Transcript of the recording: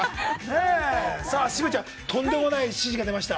渋谷ちゃん、とんでもない指示が出ました。